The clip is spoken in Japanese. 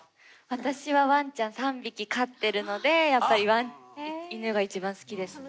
私はワンちゃん３匹飼ってるのでやっぱり犬が一番好きですね。